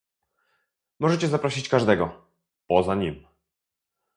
"Możecie zaprosić każdego, poza nim"